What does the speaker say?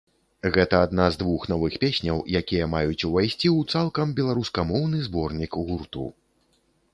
Гэта адна з двух новых песняў, якія маюць ўвайсці ў цалкам беларускамоўны зборнік гурту.